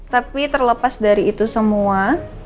tapi terlepas dari itu semua